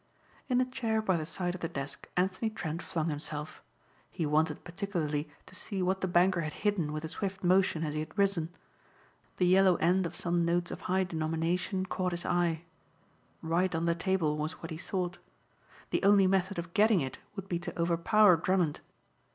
In a chair by the side of the desk Anthony Trent flung himself. He wanted particularly to see what the banker had hidden with a swift motion as he had risen. The yellow end of some notes of high denomination caught his eye. Right on the table was what he sought. The only method of getting it would be to overpower Drummond.